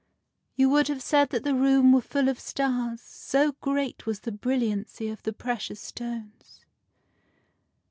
You would have said that the room was full of stars, so great was the brilliancy of the precious stones.